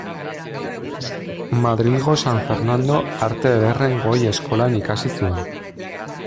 Madrilgo San Fernando Arte Ederren Goi Eskolan ikasi zuen.